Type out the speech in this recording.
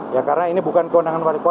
ya karena ini bukan kewenangan wali kota